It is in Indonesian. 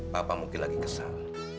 papa mungkin lagi kesal